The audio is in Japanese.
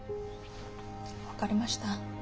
分かりました。